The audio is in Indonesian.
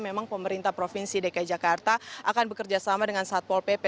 memang pemerintah provinsi dki jakarta akan bekerjasama dengan satpol pp